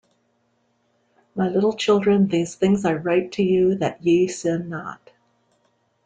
My little children, these things I write to you, that ye sin not.